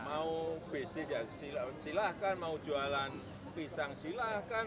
mau bisnis ya silahkan mau jualan pisang silahkan